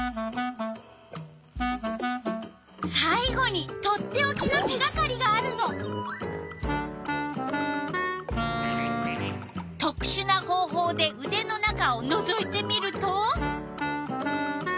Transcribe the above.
さいごに取っておきの手がかりがあるの。とくしゅな方ほうでうでの中をのぞいてみると。